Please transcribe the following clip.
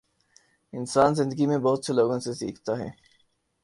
انسان زندگی میں بہت سے لوگوں سے سیکھتا ہے